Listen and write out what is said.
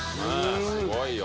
すごいよ。